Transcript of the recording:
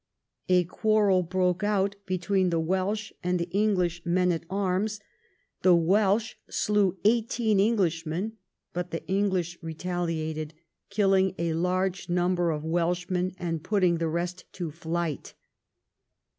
A quarrel broke out between the Welsh and the English men at arms. The Welsh slew eighteen Englishmen, but the English retaliated, killing a large number of Welshmen and putting the rest to flight.